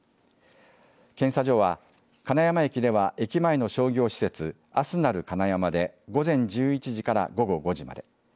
検査所は金山駅では駅前の商業施設アスナル金山で午前１１時から午後５時まで。